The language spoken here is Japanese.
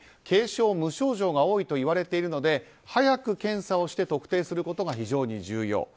軽症・無症状が多いといわれているので早く検査をして特定することが非常に重要。